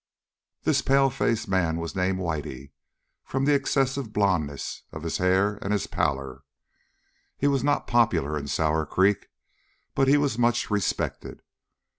This pale faced man was named Whitey, from the excessive blondness of his hair and his pallor. He was not popular in Sour Creek, but he was much respected.